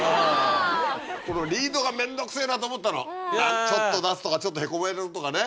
リードが面倒くせぇなと思ったのちょっと出すとかちょっとへこめるとかね